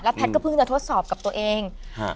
แพทย์ก็เพิ่งจะทดสอบกับตัวเอง